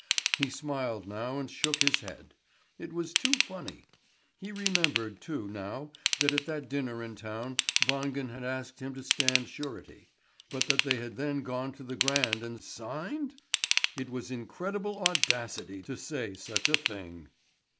He smiled now and shook his head; it was too funny. He remembered, too, now, that at that dinner in town Wangen had asked him to stand surety. But that they had then gone to the Grand and signed ? It was incredible audacity to say such a thing!